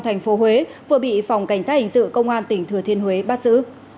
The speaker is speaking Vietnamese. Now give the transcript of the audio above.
thành phố huế vừa bị phòng cảnh sát hình sự công an tỉnh thừa thiên huế bắt giữ